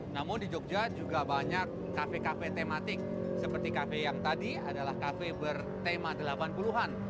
namun di jogja juga banyak kafe kafe tematik seperti kafe yang tadi adalah kafe bertema delapan puluh an